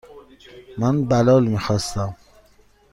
من بلال میخواستم.